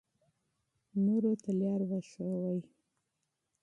نورو ته لار وښایئ.